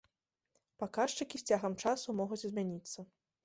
Паказчыкі з цягам часу могуць змяніцца.